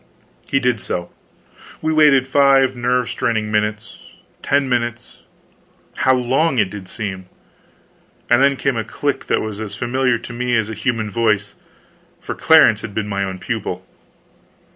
He did so. We waited five nerve straining minutes ten minutes how long it did seem! and then came a click that was as familiar to me as a human voice; for Clarence had been my own pupil.